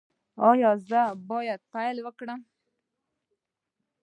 ایا زه باید پیل کړم؟